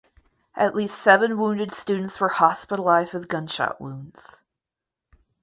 At least seven wounded students were hospitalized with gunshot wounds.